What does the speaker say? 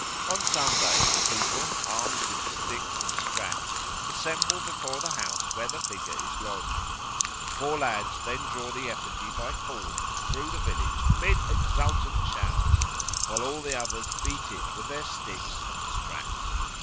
On Sunday the people, armed with sticks and straps, assemble before the house where the figure is lodged. Four lads then draw the effigy by cords through the village amid exultant shouts, while all the others beat it with their sticks and straps.